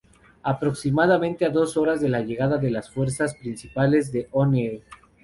Aproximadamente a dos horas de la llegada de las fuerzas principales de O'Neill.